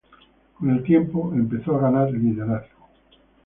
Con el tiempo empezó a ganar liderazgo.